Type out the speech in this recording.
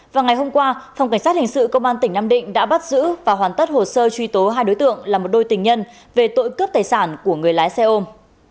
vào ngày hôm qua phòng cảnh sát hình sự công an tỉnh nam định đã bắt giữ và hoàn tất hồ sơ truy tố hai đối tượng là một đôi tình nhân về tội cướp tài sản của người lái xe ôm